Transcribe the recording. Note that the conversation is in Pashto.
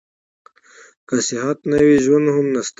که صحت نه وي ژوند هم نشته.